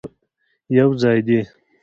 یوځای دې،